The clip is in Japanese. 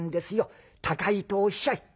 高いとおっしゃい」。